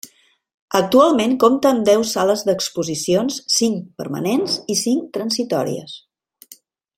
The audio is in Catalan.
Actualment compta amb deu sales d'exposicions, cinc permanents i cinc transitòries.